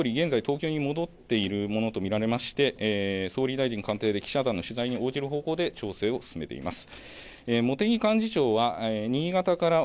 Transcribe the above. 岸田総理、現在、東京に戻っているものと見られまして総理大臣官邸で記者団の取材に応じる方向で調整を進めています。